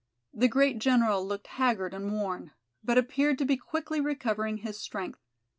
The great general looked haggard and worn, but appeared to be quickly recovering his strength.